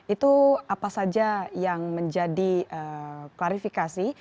itu apa saja yang menjadi klarifikasi